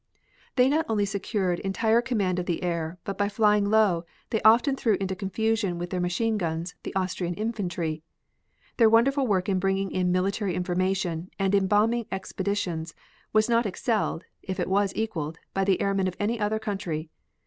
They not only secured entire command of the air, but by flying low they often threw into confusion with their machine guns the Austrian infantry. Their wonderful work in bringing in military information, and in bombing expeditions, was not excelled, if it was equaled, by the airmen of any other country.